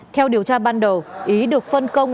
theo điều tra ban đầu ý được phân công